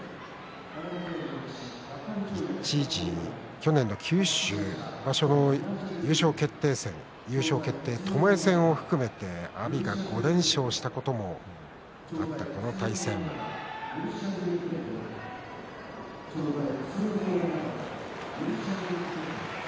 去年の九州場所優勝決定戦、ともえ戦も含めて阿炎が６連勝したこともあったこの対戦です。